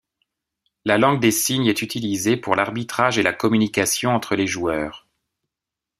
La langue des signes est utilisé pour l'arbitrage et la communication entre les joueurs.